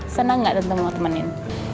seneng gak temen temenin